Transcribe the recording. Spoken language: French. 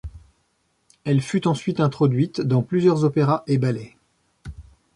Elle fut ensuite introduite dans plusieurs opéras et ballets.